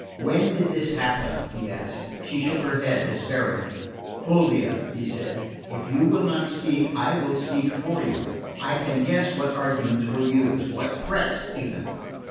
"When did this happen?" he asked. She shook her head despairingly. "Fulvia," he said, "if you will not speak I will speak for you. I can guess what arguments were used what threats, even.